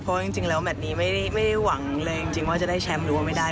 เพราะจริงแล้วแมทนี้ไม่ได้หวังเลยจริงว่าจะได้แชมป์หรือว่าไม่ได้